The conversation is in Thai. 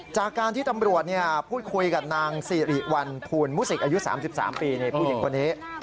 จากการที่ตำรวจพูดคุยกับนางสิริวัลภูลมุสิกอายุ๓๓ปีผู้หญิงคนนี้